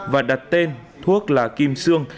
và đặt tên thuốc là kim xương